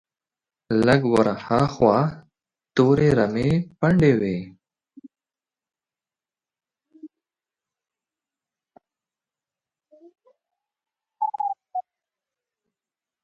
لږ ور هاخوا تورې رمې پنډې وې.